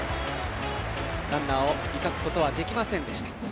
ランナーを生かすことはできませんでした。